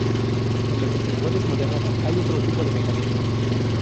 En los ascensores modernos hay otro tipo de mecanismos.